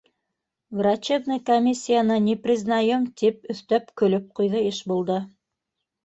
Врачебный комиссияны не признаем, — тип өҫтәп көлөп ҡуйҙы Ишбулды.